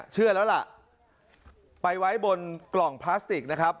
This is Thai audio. เชื่อแล้วล่ะไปไว้บนกล่องพลาสติกนะครับ